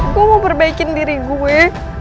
gue mau perbaikin diri gue